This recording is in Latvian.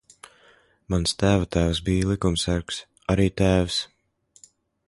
Mans tēva tēvs bija likumsargs. Arī tēvs.